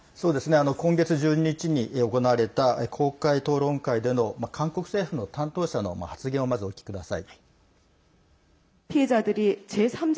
今月１２日に行われた公開討論会での韓国政府の担当者の発言をまず、お聞きください。